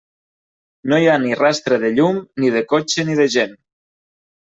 No hi ha ni rastre de llum ni de cotxe ni de gent.